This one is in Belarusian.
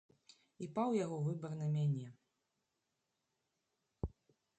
І паў яго выбар на мяне.